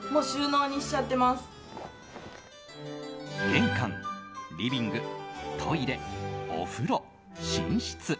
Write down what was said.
玄関、リビング、トイレお風呂、寝室。